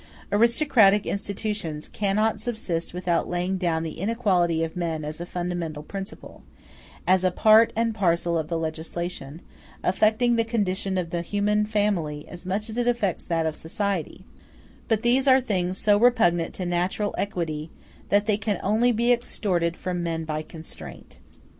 Aristocratic institutions cannot subsist without laying down the inequality of men as a fundamental principle, as a part and parcel of the legislation, affecting the condition of the human family as much as it affects that of society; but these are things so repugnant to natural equity that they can only be extorted from men by constraint.